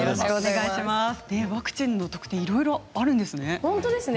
ワクチンの特典いろいろあるんですね。